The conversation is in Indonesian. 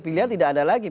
pilihan tidak ada lagi